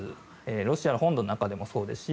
ロシアの本土の中でもそうですし。